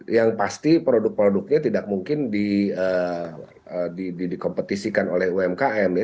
yang pasti produk produknya tidak mungkin dikompetisikan oleh umkm ya